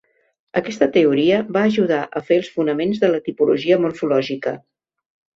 Aquesta teoria va ajudar a fer els fonaments de la tipologia morfològica.